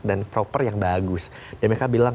dan proper yang bagus dan mereka bilang